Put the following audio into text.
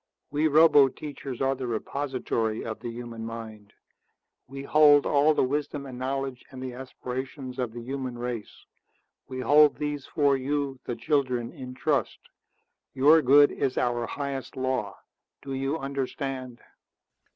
We roboteachers are the repository of the human mind. We hold all the wisdom and the knowledge and the aspirations of the human race. We hold these for you, the children, in trust. Your good is our highest law. Do you understand?"